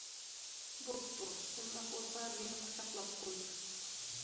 - بوپتۇ، ئۇنداق بولسا مېنى قۇچاقلاپ قوي.